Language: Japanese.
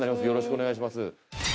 よろしくお願いします。